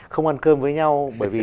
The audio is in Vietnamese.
không ăn cơm với nhau bởi vì